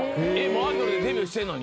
もうアイドルでデビューしてるのに？